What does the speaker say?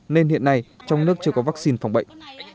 nên hiện nay trong nước chưa có vaccine phòng bệnh